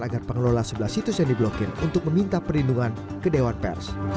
agar pengelola sebelah situs yang diblokir untuk meminta perlindungan ke dewan pers